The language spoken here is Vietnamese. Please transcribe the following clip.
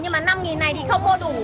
nhưng mà năm này thì không mua đủ